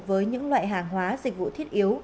với những loại hàng hóa dịch vụ thiết yếu